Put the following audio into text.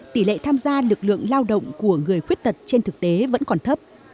tỷ lệ tham gia lực lượng lao động của người khuyết tật trên thực tế vẫn còn thấp